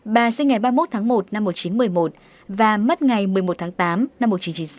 bà sinh ngày ba mươi một tháng một năm một nghìn chín trăm một mươi một và mất ngày một mươi một tháng tám năm một nghìn chín trăm sáu mươi